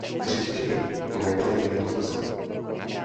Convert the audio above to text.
Řidčeji ji najdeme i ve vnitrozemí.